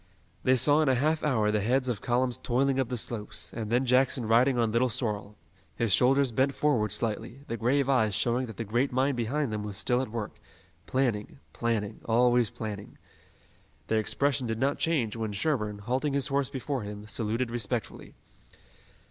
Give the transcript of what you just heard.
They saw in a half hour the heads of columns toiling up the slopes, and then Jackson riding on Little Sorrel, his shoulders bent forward slightly, the grave eyes showing that the great mind behind them was still at work, planning, planning, always planning. Their expression did not change when Sherburne, halting his horse before him, saluted respectfully.